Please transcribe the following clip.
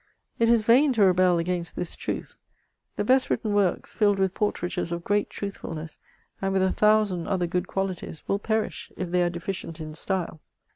It is vain to rebel against this truth ; the best written works, filled with portraitures of great truthfulness, and with a thousand other good qualities, will perish if they are deficient in style.